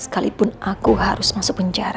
sekalipun aku harus masuk penjara